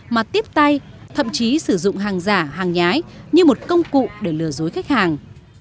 mà tiếp tay thậm chí sử dụng hàng giả hàng nhái như một công cụ để lừa dối khách hàng